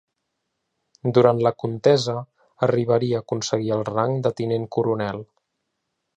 Durant la contesa arribaria a aconseguir el rang de tinent coronel.